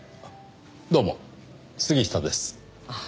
どうも杉下です。